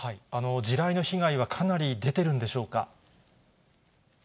地雷の被害はかなり出てるんでしょうか。